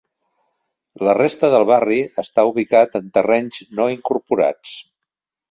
La resta del barri està ubicat en terrenys no incorporats.